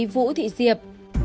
vũ thị diệp